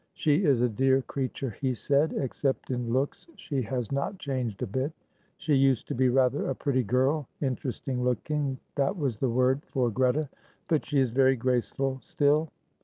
"She is a dear creature," he said; "except in looks she has not changed a bit. She used to be rather a pretty girl, interesting looking, that was the word for Greta; but she is very graceful still.